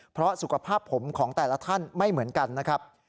เพราะสุขภาพผมของแต่ละท่านไม่เหมือนกันนะครับ